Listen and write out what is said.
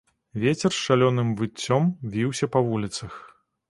Вецер з шалёным выццём віўся па вуліцах.